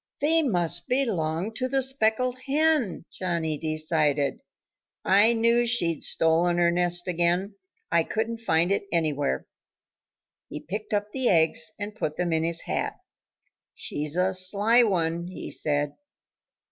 "They must belong to the speckled hen," Johnnie decided. "I knew she'd stolen her nest again. I couldn't find it anywhere." He picked up the eggs and put them in his hat. "She's a sly one," he said.